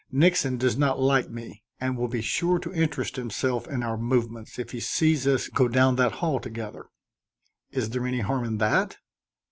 Nixon does not like me, and will be sure to interest himself in our movements if he sees us go down that hall together." "Is there any harm in that?"